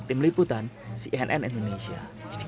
ibutan cnn indonesia